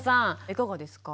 いかがですか？